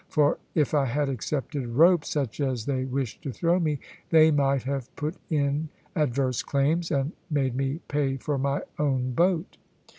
For if I had accepted rope, such as they wished to throw me, they might have put in adverse claims, and made me pay for my own boat!